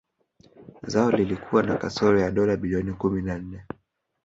Zao lilikuwa na kasoro ya dola bilioni kumi na nne